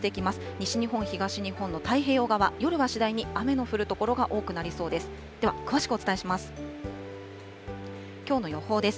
西日本、東日本の太平洋側、夜は次第に雨の降る所が多くなりそうです。